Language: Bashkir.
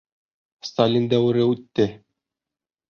— Сталин дәүере үтте.